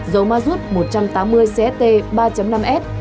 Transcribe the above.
dầu ma rút một trăm tám mươi cst ba năm s